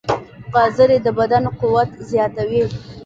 ګازرې د بدن قوت زیاتوي.